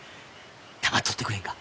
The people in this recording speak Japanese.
黙っとってくれんか？